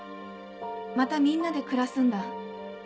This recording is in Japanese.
またみんなで暮らすんだ。